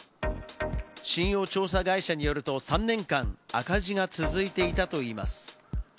信用調査会社によると、３年間、赤字が続いていたといいます。